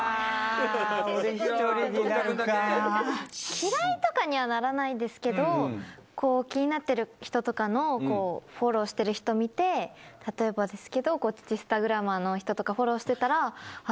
嫌いとかにはならないですけど気になってる人とかのフォローしてる人見て例えばですけど乳スタグラマーの人とかフォローしてたら。